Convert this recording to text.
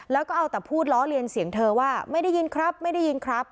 แล้วก็เอาแต่พูดล้อเลียนเสียงเธอว่าไม่ได้ยินครับไม่ได้ยินครับ